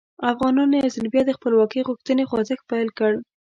افغانانو یو ځل بیا د خپلواکۍ غوښتنې خوځښت پیل کړ.